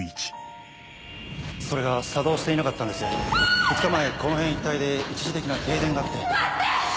それが作動していなかったん２日前この辺一帯で一時的な停電があ待って！